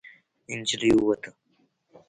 نجلۍ ووته.